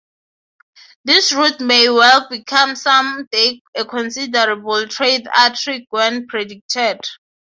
"This route may well become some day a considerable trade artery," Gwynn predicted.